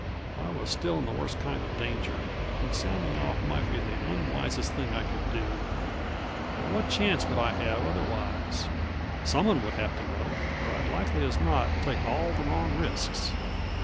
I was still in the worst kind of danger, and sounding off might be the unwisest thing I could do. But what chance would I have otherwise? Someone would have to know or I'd likely as not take all of the wrong risks.